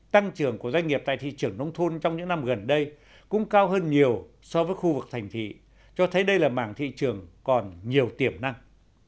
tăng trưởng của doanh nghiệp tại thị trường nông thôn trong những năm gần đây cũng cao hơn nhiều so với khu vực thành thị cho thấy đây là mảng thị trường còn nhiều tiềm năng